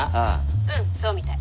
うんそうみたい。